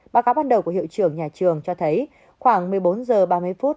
báo cáo ban đầu của hiệu trưởng nhà trường cho thấy khoảng một mươi bốn h ba mươi phút